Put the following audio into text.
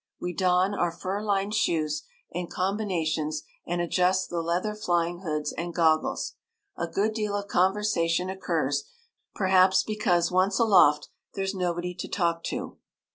We don our fur lined shoes and combinations and adjust the leather flying hoods and goggles. A good deal of conversation occurs perhaps because, once aloft, there's nobody to talk to.